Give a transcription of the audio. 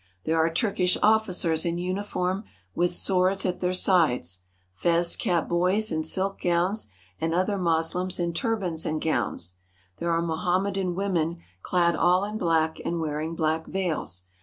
There are Turkish officers in uniform, with swords at their sides, fez capped boys in silk gowns, and other Moslems in turbans and gowns. There are Mohammedan women clad all in black and wearing black veils.